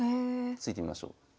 突いてみましょう。